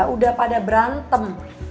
udah pada berantem